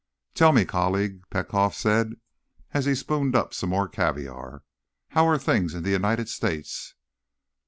"Tell me, colleague," Petkoff said as be spooned up some more caviar, "how are things in the United States?"